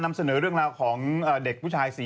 นำเสนอเรื่องราวของเด็กผู้ชาย๔